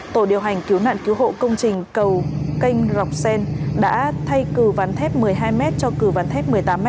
tổ điều hành cứu nạn cứu hộ công trình cầu canh rọc sen đã thay cử ván thép một mươi hai m cho cử ván thép một mươi tám m